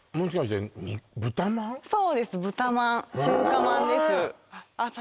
そうです豚まん中華まんですえっ！